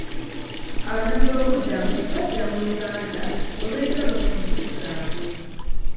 Abanoonyiboobubudamu bajja mu Uganda olw'entalo mu nsi zaabwe.